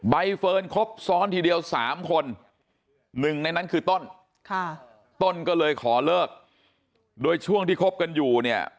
ใบเฟิร์นครบซ้อนทีเดียว๓คนหนึ่งในนั้นคือต้นต้นก็เลยขอเลิกโดยช่วงที่คบกันอยู่เนี่ย